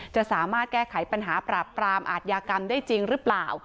จะสามารถแก้ไขปัญหาปราบปรามอาทยากรรมได้จริงหรือเปล่า